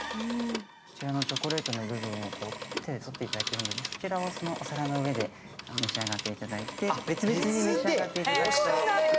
こちらのチョコレートの部分は手でとっていただけるので、そちらをお皿の上で召し上がっていただいて、別々で。